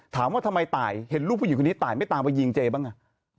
ถามว่าทำไมตายเห็นลูกผู้หญิงคนนี้ตายไม่ตามไปยิงเจบ้างอ่ะ